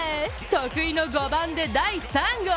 得意の５番で、第３号！